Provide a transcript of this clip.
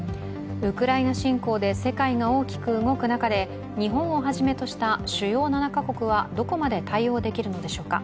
ウクライナ侵攻で世界が大きく動く中で日本をはじめとした主要７か国はどこまで対応できるのでしょうか。